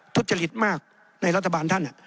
ทุจริตมากในรัฐบาลท่าน